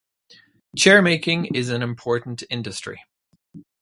Chairmaking is an important industry.